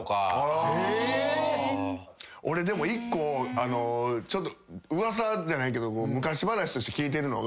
俺でも１個噂じゃないけど昔話として聞いてるのが。